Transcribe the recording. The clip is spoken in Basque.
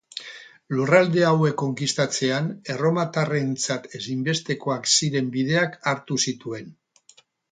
Lurralde hauek konkistatzean, erromatarrentzat ezinbestekoak ziren bideak hartu zituen.